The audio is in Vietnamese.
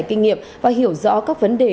kinh nghiệm và hiểu rõ các vấn đề